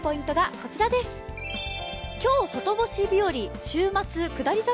今日外干し日和、週末、下り坂？